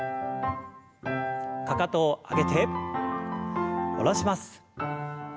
かかとを上げて下ろします。